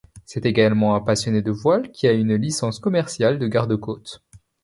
C'est également un passionné de voile, qui a une licence commerciale de garde-côte.